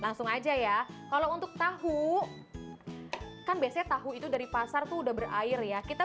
langsung aja ya kalau untuk tahu kan biasanya tahu itu dari pasar tuh udah berair ya kita